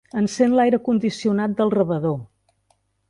Encén l'aire condicionat del rebedor.